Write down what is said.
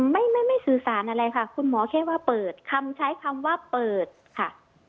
ไม่ไม่สื่อสารอะไรค่ะคุณหมอแค่ว่าเปิดคำใช้คำว่าเปิดค่ะ